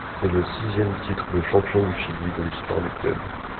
C'est le sixième titre de champion du Chili de l'histoire du club.